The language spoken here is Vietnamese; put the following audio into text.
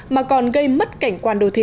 mà còn gây mất cảnh quan đô thị